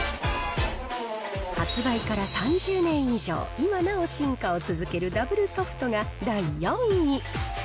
発売から３０年以上、いまなお進化を続けるダブルソフトが第４位。